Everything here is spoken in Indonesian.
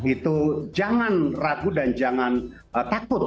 itu jangan ragu dan jangan takut